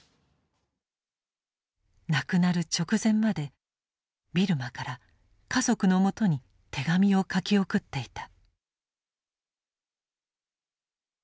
亡くなる直前までビルマから家族のもとに手紙を書き送っていた。